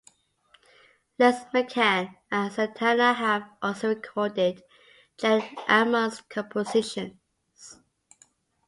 Les McCann and Santana have also recorded Gene Ammons compositions.